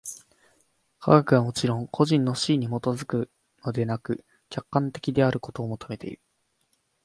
科学はもちろん個人の肆意に基づくのでなく、客観的であることを求めている。